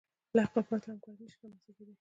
له عقل پرته همکاري نهشي رامنځ ته کېدی.